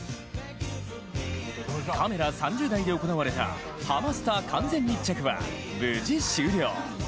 カメラ３０台で行われたハマスタ完全密着は無事終了。